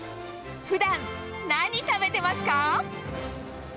ふだん何食べてますか？